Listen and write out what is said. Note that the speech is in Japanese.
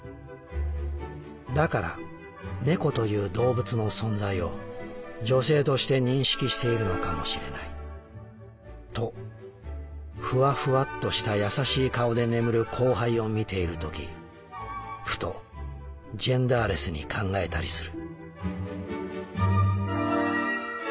だから猫というどうぶつの存在を女性として認識しているのかもしれないとふわふわっとしたやさしい顔で眠るコウハイを見ている時ふとジェンダーレスに考えたりする」。